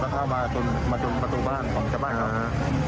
ครับหักหลบกันเข้ามาจนมาจนประตูบ้านของจับบ้านครับอ่า